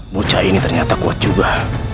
bocah ini ternyata kuat juga